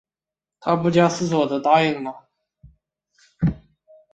她不假思索地答应了